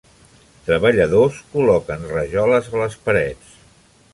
Treballadors col·loquen rajoles a les parets.